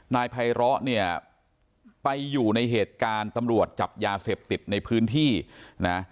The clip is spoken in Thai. นายไพร้อเนี่ยไปอยู่ในเหตุการณ์ตำรวจจับยาเสพติดในพื้นที่นะ